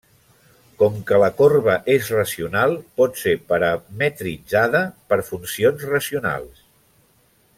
Com que la corba és racional, pot ser parametritzada per funcions racionals.